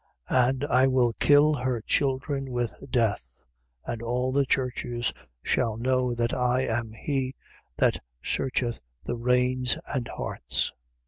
And I will kill her children with death: and all the churches shall know that I am he that searcheth the reins and hearts.